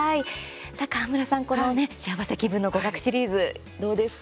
さあ川村さん、このね「しあわせ気分のゴガク」シリーズ、どうですか？